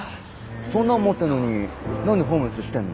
そんなん持ってんのに何でホームレスしてんの？